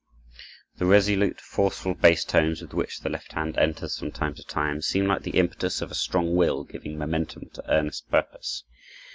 The resolute, forceful bass tones, with which the left hand enters from time to time, seem like the impetus of a strong will giving momentum to earnest purpose.